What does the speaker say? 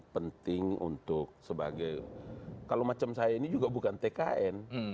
penting untuk sebagai kalau macam saya ini juga bukan tkn